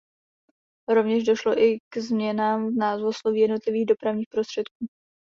Rovněž došlo i k změnám v názvosloví jednotlivých dopravních prostředků.